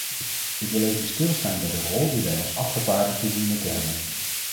Ik wil even stilstaan bij de rol die wij als afgevaardigden dienen te hebben.